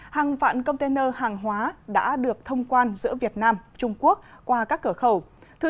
hàng vạn container hàng hóa đã được thông quan giữa việt nam trung quốc qua các cửa khẩu